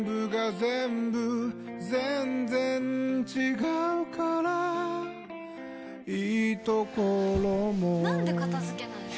全然違うからいいところもなんで片付けないの？